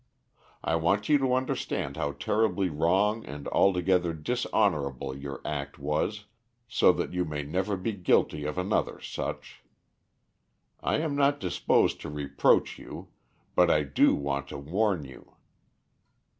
I want you to understand how terribly wrong and altogether dishonorable your act was, so that you may never be guilty of another such. I am not disposed to reproach you, but I do want to warn you.